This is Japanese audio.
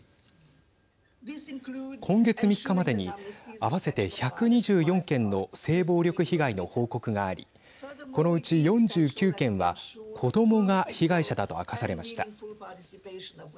今月３日までに合わせて１２４件の性暴力被害の報告がありこのうち４９件は子どもが被害者だと明かされました。